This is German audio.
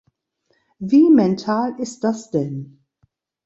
Wie mental ist das denn?